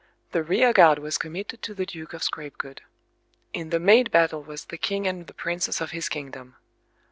The rearguard was committed to the Duke of Scrapegood. In the main battle was the king and the princes of his kingdom.